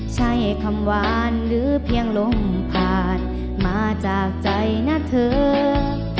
ใช่คำวานหรือเพียงลมผ่านมาจากใจนะเธอ